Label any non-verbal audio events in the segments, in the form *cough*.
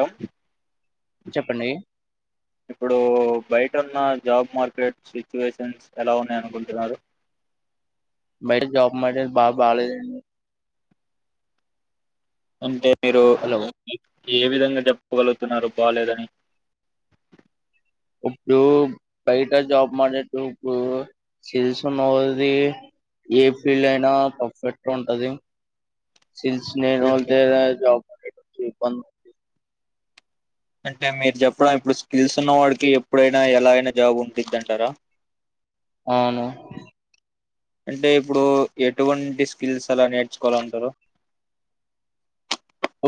ఆ చెప్పండీ బయట ఉన్న జాబ్ మార్కెట్ సిచ్యువేషన్స్ ఎలా ఉన్నాయ అనుకుంటున్నారు బైట జాబ్ మార్కెటస్ బ బాలేదండి అంటే మీరు హలో ఏ విధంగా చెప్పగలుగుతున్నారు బాలేదని ఇప్పుడు బయట జాబ్ మానేస్తిప్పుడు స్కిల్స్ అనేది ఏ ఫీల్డ్ అయినా పర్ఫెక్ట్ ఉంటది. స్కిల్స్ నేనుల్తేనే జాబ్ *unintelligible* అంటే మీరు చెప్పండి ఇప్పుడు స్కిల్స్ ఉన్న వాడికి ఎప్పుడైనా ఎలా అయినా జాబ్ ఉంటుంది అంటారా. అవును. అంటే ఇప్పుడు ఎటువంటి స్కిల్స్ అలా నేర్చుకోవాలంటార.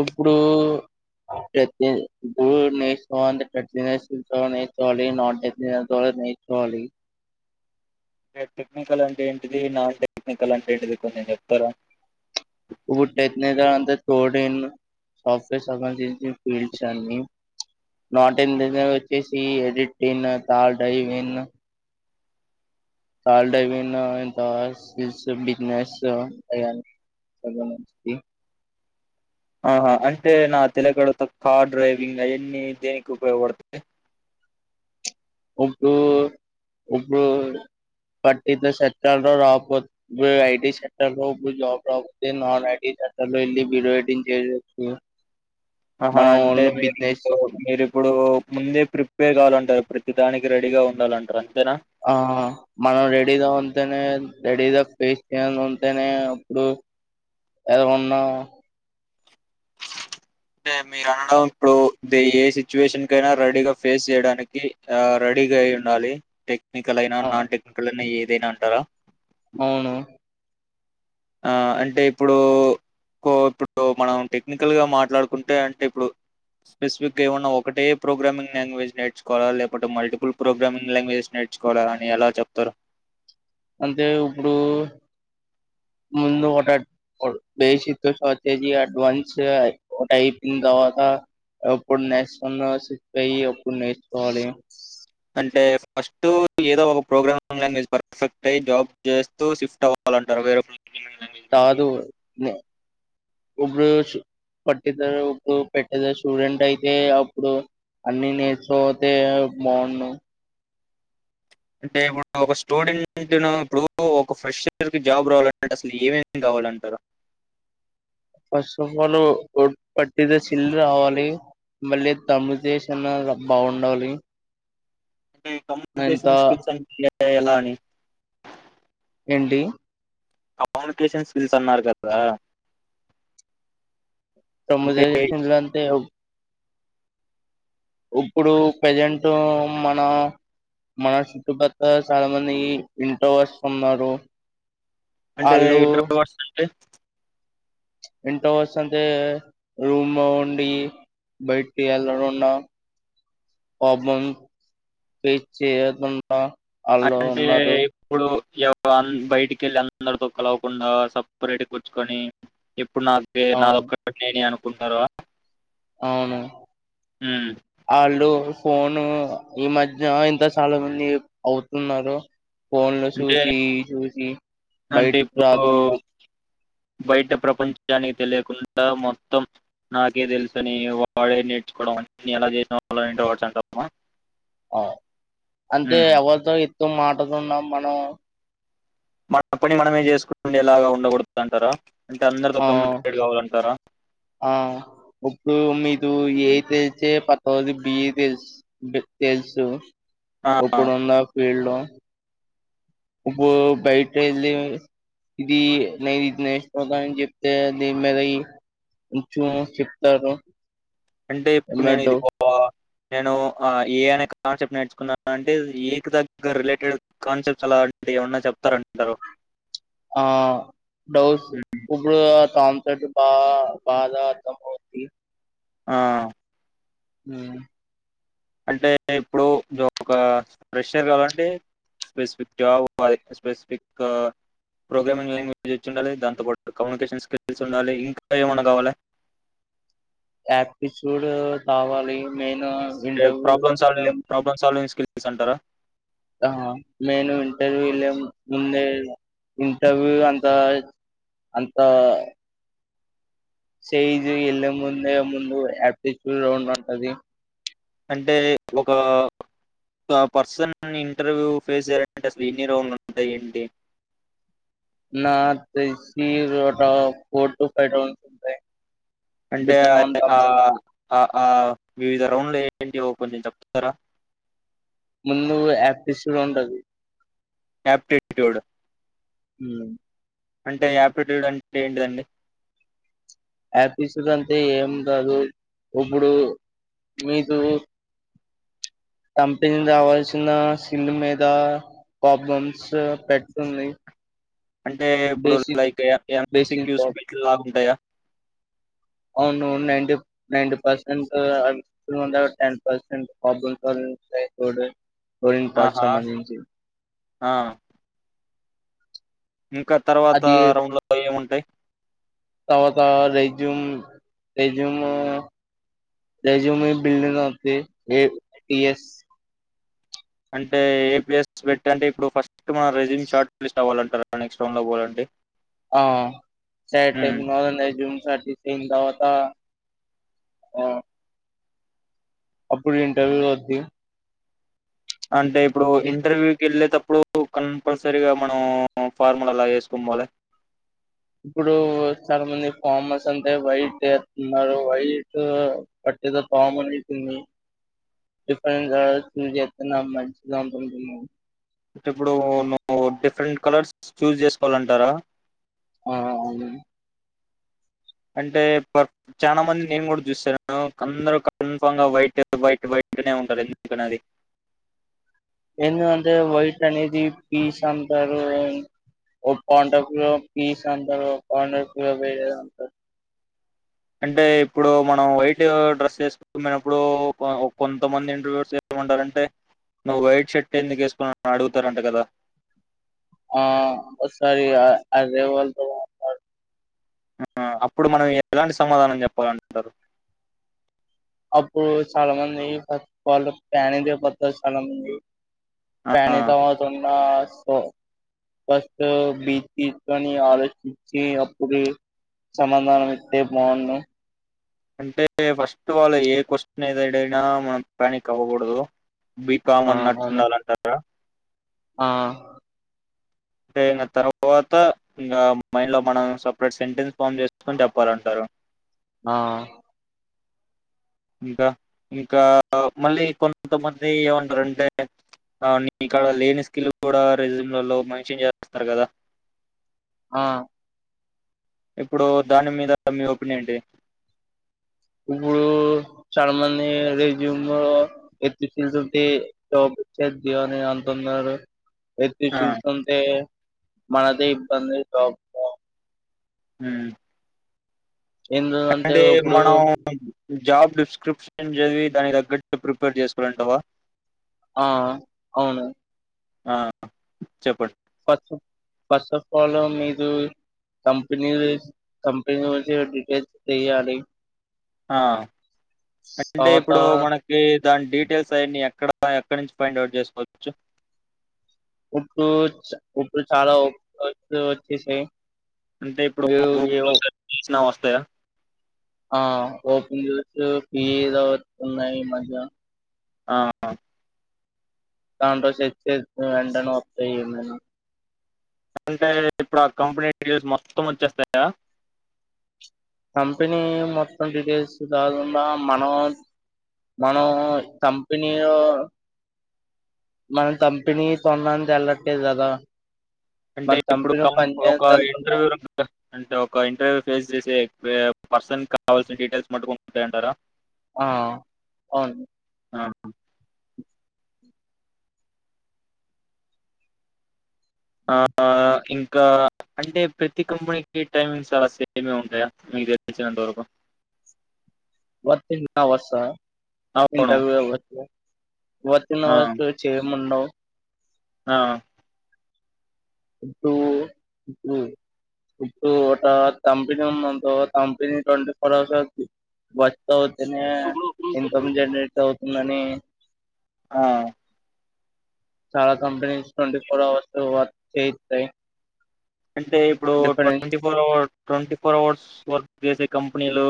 ఇప్పుడు *unintelligible* ఇప్పుడూ *unintelligible* నీఘ్టపోలీ టెక్నికల్ అంటే ఏంటిది నాన్ టెక్నికల్ అంటే ఏంటిది కొంచెం చెప్పారా ఇప్పుడు టెక్నికల్ అంటే కొడింగ్. సాఫ్ట్వేర్ సంబంధించ్చి పిల్చ్చని. నా టిమ్ వచ్చేసి ఎడిటిన్ తల్ డైనిన్. కాల్ డైవిన్ ఆహ్ పాస్ బిజినెస్ ఆహ్ అవి అన్ని. సగం మంచికి. ఆహా అంటే నాకు తెల్వక అడుగుతా కార్ డ్రైవింగ్ అవన్నీ దేనికి ఉపయోగవడ్తాయ్. ఇప్పు ఇప్పుడు. పట్టితో సెక్టర్ లో రాకపోతే ఐటి సెక్టర్ లో ఇప్పుడు జాబ్ రాక్పోతే నాన్ ఐటీ. సెక్టార్ లో వెళ్లి బిడ్వెడ్డింగ్ చేయొచ్చు. ఆహా మనం ఓన్ అంటే మీరు బిజినెస్ మీరిప్పుడు ముందే ప్రిపేర్ కావలను. ప్రతి దానికి రెడీగా ఉండాలంటార. ఆహ్ మనం రెడిగా ఉంటేనే. రెడీగా ఫేస్ *unintelligible* ఉంటేనే అప్పుడు ఏలా ఉన్న. అంటే మీరు అనడం ఇప్పుడు ఏ సిట్యుయేషన్ కైన రెడీగా ఫేస్ చేయడానికి ఆహ్ రెడీ. రేడిగై ఉండాలి టెక్నికల్ అయిన ఆ, నాన్ టెక్నికల్ అయినా ఏదైనా అంటారా. ఔను. ఆహ్ అంటే ఇప్పుడు కో. ఇప్పుడు మనం టెక్నికల్ గా మాట్లాడుకుంటే అంటే ఇప్పుడు. స్పెసిఫిగ్గా ఏమన్నా ఒకటే ప్ప్రోగ్రామింగ్ లాంగ్వేజ్ నేర్చుకోవాల లేకుంటే మల్టిపుల్ ప్రోగ్రామింగ్ లాంగ్వేజ్ నేర్చు. చుకోవాలని ఎలా చెప్తారు. అంటే ఇప్పుడు. ముందు ఒకట డేసితో ఒక కేజీ అడ్వాన్స్గ టైపింగ్ కావాలా. అప్పుడు *unintelligible* ఎప్పుడు నేర్చుకోవాలి. అంటే ఫస్ట్ ఏదో ఒక ప్రోగ్రామింగ్ లాంగ్వేజ్ పర్ఫెక్ట్ అయ్ జాబ్ చేస్తూ షిఫ్ట్ అవ్. అలాంటారు వేర్. కాదు నే. ఇప్పుడు శూ పట్టిద్దారూప్పు పెట్టేదర స్టూడెంట్ అయితే అప్పుడు. నేను నేర్చుకోకపోతే బావుండు. అంటే ఇప్పుడు ఒక స్టూడెంట్కును ఇప్పుడు ఒక ఫ్రెష్ర్ జాబ్ రావాలంటే అసలు ఏమేమి కావాలి. పోలంటార. ఫస్ట్ ఆఫ్ ఆల్ పట్టిదే చిల్లు రావాలి. మళ్ళీ తమిళ్ దేశం ల బాగుండాలి. అంటే ఇంత కమ్యూనికేషన్ స్కిల్స్ అంటే ఎలా అని. ఏండి. కమ్యూనికేషన్ స్కిల్స్ అన్నారు గదా. సముదారి చిలాంతేయు. ఇప్పుడు ప్రెజెంటూ మన మన చుట్టుపక్కల చాలా మంది ఇంట్రో వాట్స్ ఉన్నారు అంటే ఆళ్ళు ఇంట్రో వాడ్స్ అంటే ఇన్ రివర్స్ అంటే రూమ్లి ఉండి బయటికి వెళ్లకుండా పాపం బ్రష్ చేయకుండా హాల్లో ఉన్నారు. ఇంకా పాపం బయటికి వెళ్ళి అందరితో కలవకుండా సపరేట్ కూర్చుకొని. ఇప్పుడు నాకు అవును నాదొక్క నేని అనుకుంటార. అవునా. ఫోను ఈ మధ్య ఇంత చాలా మంది అవుతున్నారు. ఫోన్ లో అంటే చూసి చూసి అంటే బయట ఇప్పుడు రాకుండా బయట ప్రపంచానికి తెలియకుండా మొత్తం నాకే తెలుసు అని వాడే నేర్చుకోవ ఎలా చేసిన వాలని ఇంట్రో వర్డ్స్ అంటామా అ అంటే ఉమ్. ఎవరితో ఎక్కువగా మాట్లాడకుండా మనం మన పని మనమే చేసుకునేలాగా ఉండకూడుదు అంటారా అంటే అందరుతో ఆ కమ్యూనికేట్ కావాలంటారా ఆ ఇప్పుడు మీది ఏ తెలిసే పత్తది బి తెలుసు తెలుసు ఆ, ఇప్పుడు ఉన్న ఫీల్డ్ లో ఇప్పుడు బయట వెళ్లి ఇది న్నాయి చెప్తే కొంచం చెప్తారు అంటే ఇప్పుడు నేను ఎమ్మటే ఇది పోవాల నేను ఏ అనే కాన్సెప్ట్ నేర్చుకున్నాను అంటే ఏ కు దగ్గర రిలేటెడ్ కాన్సెప్ట్స్ అలా అంటే ఏమన్నా చెప్తారంటారు ఆ డౌస్ ఉమ్. ఇప్పుడు కంప్లైంట్ బా బాగా అర్థమవుద్ది ఆ ఉమ్ అంటే ఇప్పుడు ఒక ఫ్రెషర్ కావాలంటే స్పెసిఫక్ జాబ్ అది స్పెషఫిక్ ప్రోగ్రామింగ్ లాంగ్వేజ్ వచ్చి ఉండాలి దాంతోపాటు కమ్యూనికేషన్ స్కిల్స్ ఉండాలి ఇంకా ఏమైన్నా కావాల అప్లిటుడే కివాలి మెయిన్ ఏ ఇంటర్వ్యూ ప్రాబ్లమ్ వెళ్ళే సాల్వింగ్ ప్రాబ్లమ్ సాల్వింగ్ స్కిల్స్ అంటారా ఆ నేను ఇంటర్వ్యూ లే ముందే ఇంటర్వ్యూ అంత అంత సైజ్ వెళ్ళే ముందే ముందు అప్లిటుడే రౌండ్ ఉంటది అంటే ఒక పర్సన్ ఇంటర్వ్యూ ఫేస్ చేయ్యాలంటే అసలు ఎన్ని రౌండ్ ఉంటాయి ఏంటి నా తెలిసి ఫోర్ టు ఫైవ్ రౌండ్స్ ఉంటాయి అంటే డిపెండ్ ఆన్ ఆ కంపెనీ ఆ ఆ వి విధ రౌండ్లు ఏంటి కొంచెం చెప్తారా ముందు అప్లిటుడే ఉంటది అప్లిటుడే ఉమ్ అంటే అప్లిటుడే అంట ఏంటిదండి అప్లిటుడే అంటే ఏం కాదు ఇప్పుడు మీకు కంపెనీ రావాల్సిన సిల్ మీద ప్రాబ్లమ్స్ పెడుతుంది అంటే ఇప్పుడు బేసిక్ లైక్ ఎంఎంస బేసిక్ క్యూస్ ప్రాబ్లమ్ బెల్ట్ లాగుంటాయా అవును నైంట నైన్ంట పర్సెంట్ అట్లనే ten percent problem solving main parts ఆహా సంబంధించి ఆ. ఇంకా తర్వాత అది రౌండ్ లో ఏముంటాయి తర్వాత రెజ్యూమ్ రెజ్యూమ్ రెస్యూమ్ ఏ బిల్ ఉంది యిఎస్ అంటే ఏ పఎస్ పెట్టి అంటే ఇప్పుడు ఫస్ట్ మన రెజ్యూమ్ షార్ట్ లిస్ట్ అవ్వాలం నెక్స్ట్ రౌండ్ లో పో అండి ఆ సరెటెం మొదటి జూమ్ సందవత ఉ అప్పుడు ఇంటర్వ్యూ వద్ది అంటే ఇప్పుడు ఇంటర్వ్యూ కి వెళ్ళే తప్పు ఇప్పుడు కంపల్సరిగా మనం ఫార్ములా అలా వేసుకోన్ పోలా ఇప్పుడు చాలా మంది ఫామ్ అస్ అంటే వైట్ ఏస్తున్నారు. వైట్ ఎదో పాములు ఏళ్తున్నయి రఫరెన్నా మ మ *unintelligible* ఇప్పుడు నువ్వు డిఫరెంట్ కలర్స్ చూజ్ చేసుకోవాలంటారా ఆ అంటే ప చానా మంది నేను కూడా చూసాను. అందరు కన్ఫంగా వైట్ వైట్ వైట్ ఇకనే ఉంటారు ఎందుకనే అది ఏందంటే వైట్ అనేది పీస్ అంటారు ఒ పంట ప పీస్ అంటారు. పంట ప అంటారు అంటే ఇప్పుడు మనం వైట్ డ్రెస్ చేసుకుమనప్పుడు కొంతమంది ఇంటర్వ్యూస్ ఏమంటారంటే నువ్వు వైట్ షర్ట్ ఎందుకు వేసుకున్నా అడుగుతారంట కదా ఆ ఓసారి అజేవల్ల తో ఆ అప్పుడు మనం ఎలాంటి సమాధానం చెప్పాలంటారు. అప్పుడు చాలా మంది ఫ వాళ్ళు ఫ్యాన్ ఇండియా పర్పస్ అనింది ఆ! ప్యానిక్ అవ్వకుండా సో ఫస్తు బ్రీత్ తీస్కొని ఆలోచించి అప్పుడు సమాధాన ఇస్తే బాగుంను అంటే ఫస్ట్ ఆల్ ఏ క్వశ్చన్ ఏద ఏదైనా మనం ప్యానిక్ అవ్వకూడదు. బీ ఆ కామన్ అవును. అన్నట్టుండాలంటారా ఆ అంటే ఇంగ తర్వాత ఇంకా మైండ్ లో మనం సపరేట్ సెంటెన్స్ ఫామ్ చేసుకో ని చెప్పాలంటారు. ఆ ఇంకా ఇంకా మళ్ళీ కొంతమంది ఏమంటారంటే అవుని ఇక్కడ లేని స్కిల్ కూడా రెజూమ్లలో మంచిన్ చేస్తారు కదా. ఆ ఇప్పుడు దాని మీద మీ ఒపీనియన్ ఏంటి. ఇప్పుడు చాలా మంది రెజ్యూమ్ లో *unintelligible* చేత్ అని అంతు ఉన్నారు హెల్త్ ఆ! ఇషుస్ ఉంటే మనదే ఇబ్బంది ప్రాబ్లెము ఉ ఎందుకంటే అంటే ఇప్పుడు మనం జాబ్ డిస్క్రిప్షన్ చదివి దానికి తగ్గట్టు ప్రిపేర్ చేసుకోవాలంటావా. ఆ అవును ఆ చెప్పండి ఫస్ట్ ఫస్ట్ ఆఫ్ ఆల్ మీరు కంపెనీ కంపెనీ వచె డిటేల్స్ తీయాలి. ఆ అంటే తర్వాత ఇప్పుడు మనకి దాన్ డీటెల్స్ ఐయని ఎక్కడ ఎక్క నుంచి ఫైండ్ అవుట్ జేష్ కోచ్చు ఉప్పు చ ఉపుల్ చాలా ఓ కొత్ తు ఓచ్చేశాయి ఏదో ఏవో తయా ఆ ఓపెన్స్ ఫి ఓత్తున్నాయి ఈ మధ్య ఆ దానితో చెక్ చెతే వెంటనే వొత్తయ్ నేను అంటే ఇప్పుడు ఆ కంపెనీ డీటెయిల్స్ మొత్తం ఓచ్చేస్తాయా. కంపెనీ మొత్తం డీటెయిల్స్ రాకుండా మనం మన ఓయ్ కంపినీయో మనం కంపిణీ కోనాన్ నంట్ టెలట్లేదు గదా అంటే ఇప్పుడు కౌన్ ఒక ఇంటర్ వెళ్తున్నాం వ్యూల అంటే ఒక ఇంటర్ ఫేస్ చేశే పే పర్ సన్ కావ్ ల్ సిన్ డీటెల్స్ మటుకు ఉంటాయంటారా ఆ ఔన్ ఆహ్ ఆహ్ హ ఇంక్ కా ఇంకా అంటే ప్రతి కంపనీకి టైమింగ్ చాలా సేమే ఉంటాయా మీకు తెల్ సినంత వరకు వర్ కింగ్ అవర్స అవును ఇంటర్వ్ అవర్స్ ఆ వర్ కీన్ ఆ అవర్ సు చెముండవ్ ఆ నువు ఉమ్ ఇప్ ట తంపినమ్ మన్ తో తంపినీ టోంటి ఫోర్ అవర్స్ కీ వర్ క్ ఔతనే ఇప్పుడు ఇన్ ఇప్పుడు కమ్ జన్ రేట్ ఔతుందని అని ఆ చాల్ companies twenty four hours work చేయితయి అంటే ఇప్పుడు twenty four hour twenty four hours వర్ ఎసే కంప్ నీలు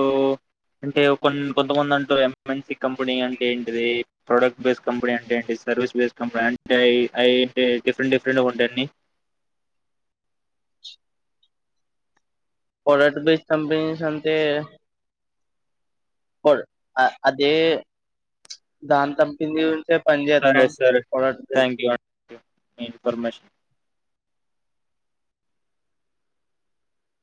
అంటే కొన్ కొంతమంద్ అంటు యమ్ మేన్స్ కీ కంపనీ అంటే ఏంటిది ప్రొడక్ బేస్ కంపనీ అంటే ఏంటిస్ సర్ విస్ బేస్ కంపనీ అంటే అయ్ అయ్ ఇంటే డిఫ్ ఎంట్ డిఫ్ ఎంట్ ఉంటయి అన్ని పోడక్ట్ బేస్ కంపనీస్ అంతే కోడు ఆ అదే దాన్ తంపినీయుంటే సరే సరే థ్యాంక్ యూ అన్ మీ ఇన్ ఫర్ మేషన్